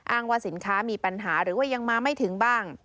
ว่าสินค้ามีปัญหาหรือว่ายังมาไม่ถึงบ้าง